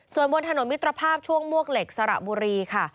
ส่วนบนถนนมิตรภาพช่วงมวกเหล็กสระบุรีค่ะ